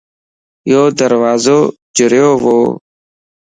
يو دروازو جريووَ